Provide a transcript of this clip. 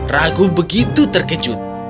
ragu begitu terkejut